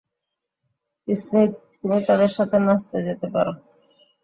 Smith, তুমি তাদের সাথে নাচতে যেতে পারো।